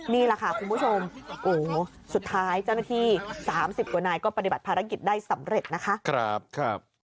นี่แหละค่ะคุณผู้ชมสุดท้ายเจ้าหน้าที่๓๐กว่านายก็ปฏิบัติภารกิจได้สำเร็จนะคะ